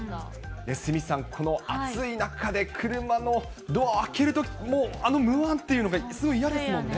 鷲見さん、この暑い中で車のドアを開けるとき、もう、あのむわっていうのが、すごい嫌ですもんね。